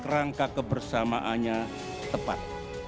rangka kebersamaannya tepat